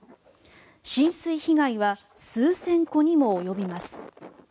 浸水被害は数千戸にも及びます。